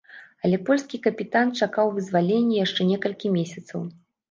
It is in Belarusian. Але польскі капітан чакаў вызвалення яшчэ некалькі месяцаў.